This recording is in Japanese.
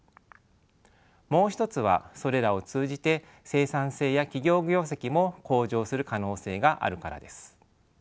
もう一つはそれらを通じて生産性や企業業績も向上する可能性があるからです。